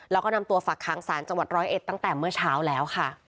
แล้วก็นำตัวฝักค้างศาลจังหวัดร้อยเอ็ดตั้งแต่เมื่อเช้าแล้วค่ะ